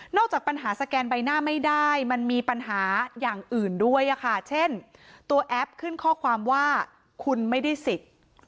จากปัญหาสแกนใบหน้าไม่ได้มันมีปัญหาอย่างอื่นด้วยค่ะเช่นตัวแอปขึ้นข้อความว่าคุณไม่ได้สิทธิ์